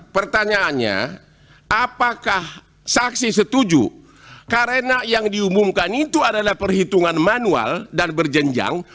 pertanyaannya apakah saksi setuju karena yang diumumkan itu adalah perhitungan manual dan berjenjang